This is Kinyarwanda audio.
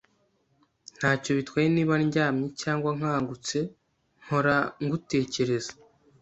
Ntacyo bitwaye niba ndyamye cyangwa nkangutse, mpora ngutekereza.